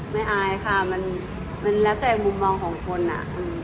อายค่ะมันแล้วแต่มุมมองของคนอ่ะ